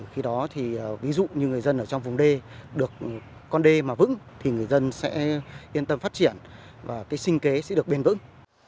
khi đó thì ví dụ như người dân ở trong vùng đê được con đê mà vững thì người dân sẽ yên tâm phát triển và cái sinh kế sẽ được bền vững